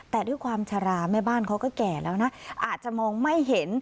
แต่ด้วยความชะลาแม่บ้านเขาก็แก่แล้วนะอาจจะมองไม่เห็น